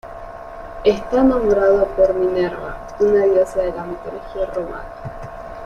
Está nombrado por Minerva, una diosa de la mitología romana.